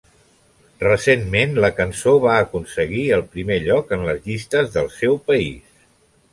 Recentment la cançó va aconseguir el primer lloc en les llistes del seu país.